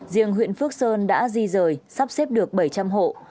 riêng huyện phước sơn đã di rời sắp xếp được bảy trăm linh hộ